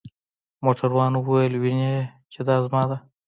موټروان وویل: وینې يې؟ چې دا زما ده.